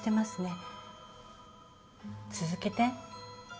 続けて。